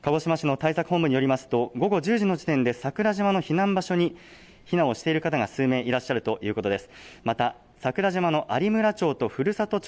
鹿児島市の対策本部によりますと午後１０時の時点で桜島の避難場所に避難をしている方が数名いらっしゃるということです。